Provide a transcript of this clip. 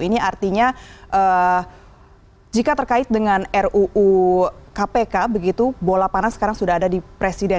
ini artinya jika terkait dengan ruu kpk begitu bola panas sekarang sudah ada di presiden